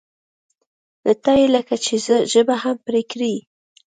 له تا یې لکه چې ژبه هم پرې کړې.